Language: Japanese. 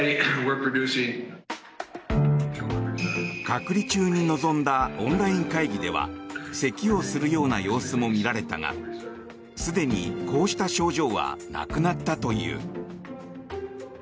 隔離中に臨んだオンライン会議ではせきをするような様子も見られたがすでに、こうした症状はなくなったという。